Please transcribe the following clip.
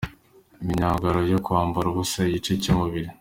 Imyigaragambyo yo kwambara ubusa, igice cy’umubiri.